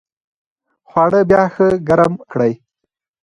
خواړه بیا ښه ګرم کړئ.